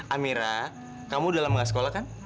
amira kamu udah lama gak sekolah kan